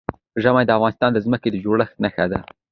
ژبې د افغانستان د ځمکې د جوړښت نښه ده.